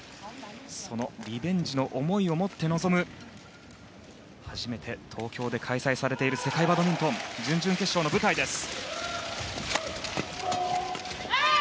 そのリベンジの思いを持って臨む初めて東京で開催されている世界バドミントン準々決勝の舞台です。